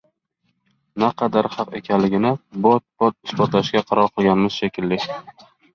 naqadar haq ekanligini bot-bot isbotlashga qaror qilganmiz shekilli